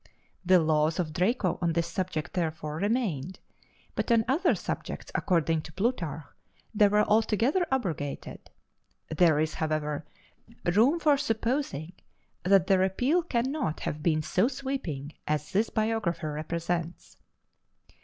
The laws of Draco on this subject, therefore, remained, but on other subjects, according to Plutarch, they were altogether abrogated: there is, however, room for supposing that the repeal cannot have been so sweeping as this biographer represents.